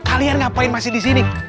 kalian ngapain masih di sini